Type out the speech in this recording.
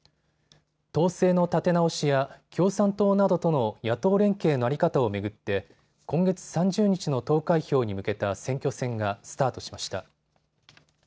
党勢の立て直しや共産党などとの野党連携の在り方を巡って今月３０日の投開票に向けた選挙戦がスタートしました。